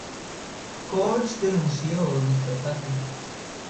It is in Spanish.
Koch denunció dicho ataque.